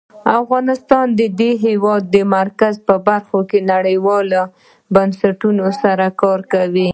افغانستان د د هېواد مرکز په برخه کې نړیوالو بنسټونو سره کار کوي.